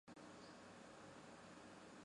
布卢姆和露丝玛丽决定在新校支持他。